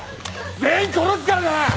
全員殺すからな！